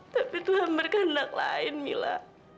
tapi tuhan berkandang lain mila